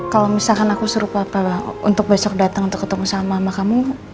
kalau misalkan aku suruh papa untuk besok datang untuk ketemu sama mama kamu